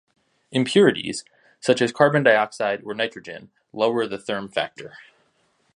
Impurities, such as carbon dioxide or nitrogen, lower the therm factor.